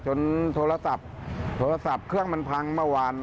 จนโทรศัพท์เครื่องมันพังเมื่อวาน